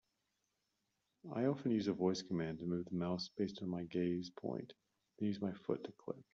I often use a voice command to move the mouse based on my gaze point, then use my foot to click.